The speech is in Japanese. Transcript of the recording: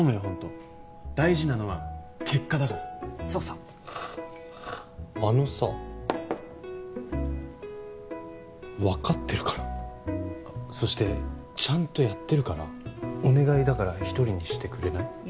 ホント大事なのは結果だからそうそうあのさわかってるからそしてちゃんとやってるからお願いだから一人にしてくれない？